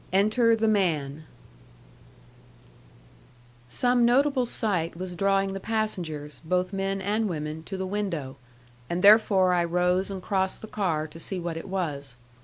ENTER THE MAN Some notable sight was drawing the passengers, both men and women, to the window; and therefore I rose and crossed the car to see what it was.